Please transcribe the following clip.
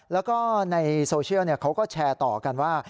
แล้วก็ในโซเชียลเขาก็แชร์ต่อกันว่า